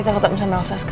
nanti ada yuk